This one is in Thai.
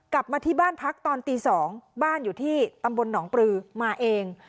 กลับมาที่บ้านพักตอนตี๒บ้านอยู่ที่ตำบลหนองปลือมาเอง